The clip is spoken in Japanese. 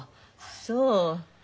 そう。